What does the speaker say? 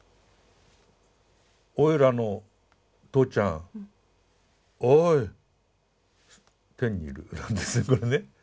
「おいらのとうちゃんおい天にいる」なんですねこれね。